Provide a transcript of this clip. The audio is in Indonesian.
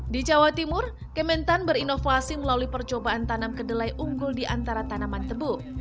di jawa timur kementan berinovasi melalui percobaan tanam kedelai unggul di antara tanaman tebu